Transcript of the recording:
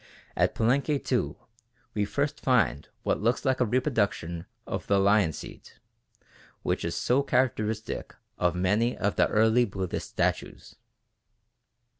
At Palenque, too, we first find what looks like a reproduction of the "lion seat" which is so characteristic of many of the early Buddhist statues.